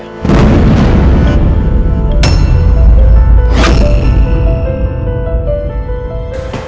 tidak ada yang mau masuk rumah saya